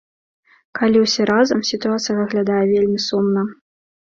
Калі ўсе разам, сітуацыя выглядае вельмі сумна.